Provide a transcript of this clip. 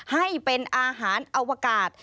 ให้เป็นอาหารอวกาศ